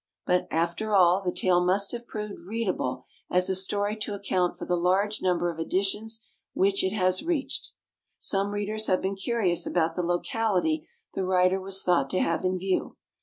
But, after all, the tale must have proved readable as a story to account for the large number of editions which it has reached. Some readers have been curious about the locality the writer was thought to have in view.